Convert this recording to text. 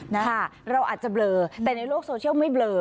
นะคะเราอาจจะเบลอแต่ในโลกโซเชียลไม่เบลอ